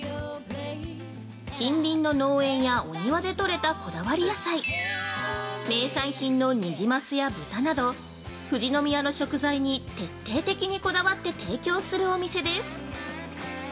近隣の農園やお庭でとれたこだわり野菜、名産品のニジマスや豚など富士宮の食材に徹底的にこだわって提供するお店です。